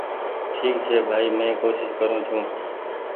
ٺيڪ ڇي ڀآئي مينٚ ڪوشش ڪررو ڇوٚنٚ